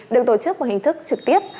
được tổ chức một hình thức trực tiếp